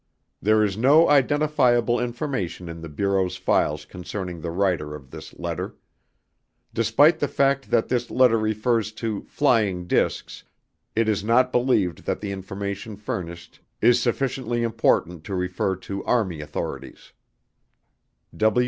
There is no identifiable information in the Bureau's files concerning the writer of this letter. Despite the fact that this letter refers to "flying discs", it is not believed that the information furnished is sufficiently important to refer to Army authorities.)